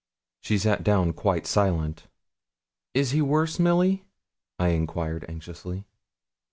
She sat down quite silent. 'Is he worse, Milly?' I enquired, anxiously.